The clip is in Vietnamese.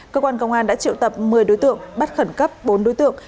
cơ quan công an đã triệu tập một mươi đối tượng bắt khẩn cấp bốn đối tượng